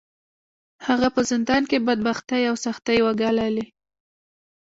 هغه په زندان کې بدبختۍ او سختۍ وګاللې.